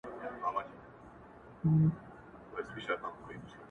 زه له سهاره تر ماښامه میکده کي پروت وم’